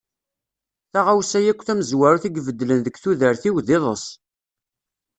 Taɣawsa akk tamezwarut i ibeddlen deg tudert-iw d iḍes.